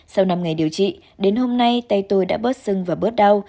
sau năm ngày điều trị đến hôm nay tay tôi đã bớt sưng và bớt đau